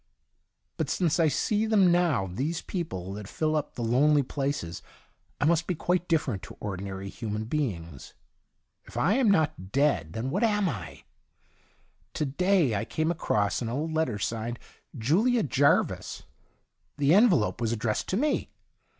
But since I see them now — these people that fill up the lonely places — I must be quite different to ordinary human beings. If I am not dead, then what am I ? To day I came across an old letter signed ' JuHa Jarvis '; the envelope was addressed to me.